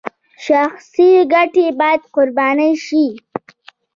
شخصي ګټې باید قرباني شي